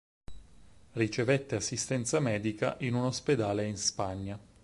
Ricevette assistenza medica in un ospedale in Spagna.